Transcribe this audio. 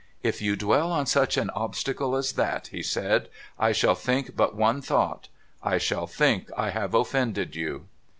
' If you dwell on such an obstacle as that,' he said, ' I shall think but one thought — I shall think I have offended you.'